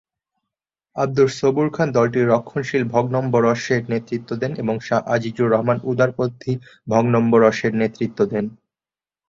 আবদুস সবুর খান দলটির রক্ষণশীল ভগ্নম্বরশের নেতৃত্ব দেন এবং শাহ আজিজুর রহমান উদারপন্থী ভগ্নম্বরশের নেতৃত্ব দেন।